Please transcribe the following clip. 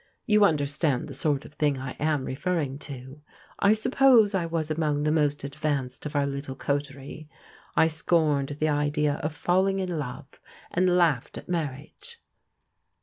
You understand the sort of thing I am referring to. I suppose I was among the most advanced of our little coterie. I scorned the idea of falling in love, and laughed at marriage."